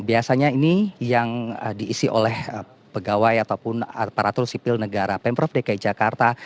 biasanya ini yang diisi oleh pegawai ataupun aparatur sipil negara pemprov dki jakarta